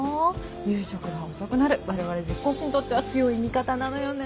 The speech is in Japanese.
夕食が遅くなる我々塾講師にとっては強い味方なのよね。